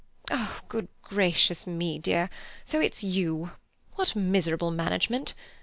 "Good gracious me, dear; so it's you! What miserable management!